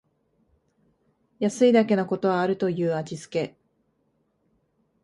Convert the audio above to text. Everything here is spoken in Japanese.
安いだけのことはあるという味つけ